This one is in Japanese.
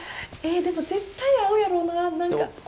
えでも絶対合うやろうな何か。